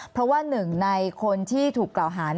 เพราะว่าหนึ่งในคนที่ถูกกล่าวหา